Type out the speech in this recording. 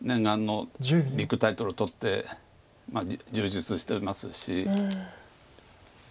ビッグタイトルを取って充実してますし。